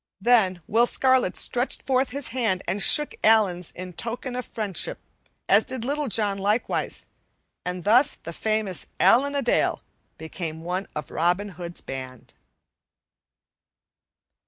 Then Will Scarlet stretched forth his hand and shook Allan's in token of fellowship, as did Little John likewise. And thus the famous Allan a Dale became one of Robin Hood's band.